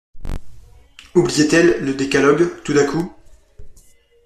Oubliait-elle le décalogue, tout à coup?